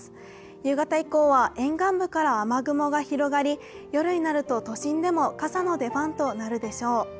夕方以降は沿岸部から雨雲が広がり、夜になると都心でも傘の出番となるでしょう。